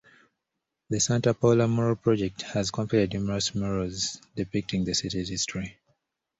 The Santa Paula Mural Project has completed numerous murals depicting the city's history.